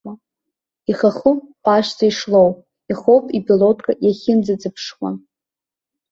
Ихахәы ҟәашӡа ишлоуп, ихоуп ипилотка иахьынӡаҵыԥшуа.